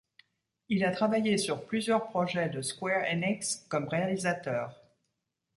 Il a travaillé sur plusieurs projets de Square Enix comme réalisateur.